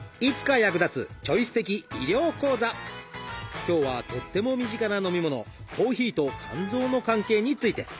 今日はとっても身近な飲み物コーヒーと肝臓の関係について。